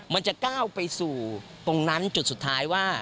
มันจะก้าวไปสู่ตรงนั้นจุดสุดท้ายว่า